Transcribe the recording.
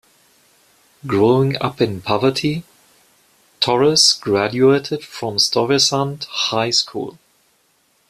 Growing up in poverty, Torres graduated from Stuyvesant High School.